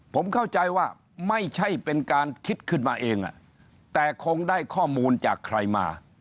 ผมเข้าใจว่าไม่ใช่เป็นการคิดขึ้นมาเองแต่คงได้ข้อมูลจากใครมา